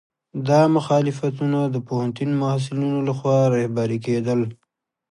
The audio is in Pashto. دا مخالفتونه د پوهنتون محصلینو لخوا رهبري کېدل.